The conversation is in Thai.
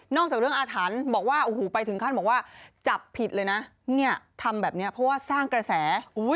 นอกจากเรื่องอาถรรพ์ไปถึงขั้นบอกว่าจับผิดเลยนะทำแบบนี้เพราะว่าสร้างกระแส